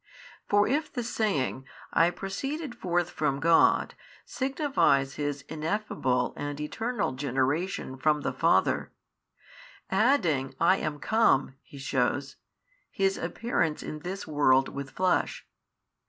For if the saying, I proceeded forth from God, signifies His Ineffable and Eternal Generation from the Father; adding I am come, [He shews] His appearance in this world with Flesh.